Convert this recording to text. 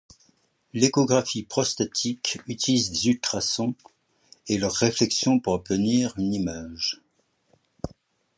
L'échographie prostatique utilise les ultrasons et leur réflexion pour obtenir une image.